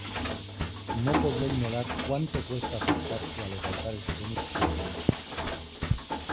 no podía ignorar cuánto cuesta acercarse a los altares de Venus Turbulenta.